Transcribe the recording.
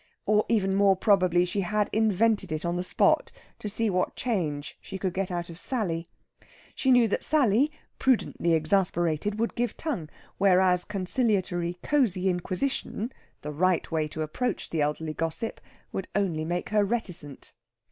Or, even more probably, she had invented it on the spot, to see what change she could get out of Sally. She knew that Sally, prudently exasperated, would give tongue; whereas conciliatory, cosy inquisition the right way to approach the elderly gossip would only make her reticent.